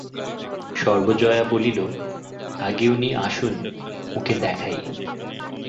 সর্বজয়া বলিল, আগে উনি আসুন, ওঁকে দেখাই।